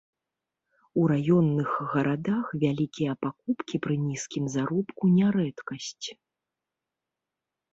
У раённых гарадах вялікія пакупкі пры нізкім заробку не рэдкасць.